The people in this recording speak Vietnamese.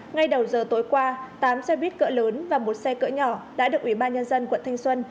ngay đầu giờ tối qua tám xe buýt cỡ lớn và một xe cỡ nhỏ đã được ủy ban nhân dân quận thanh xuân